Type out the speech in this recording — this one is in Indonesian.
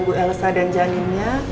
ibu elsa dan janinnya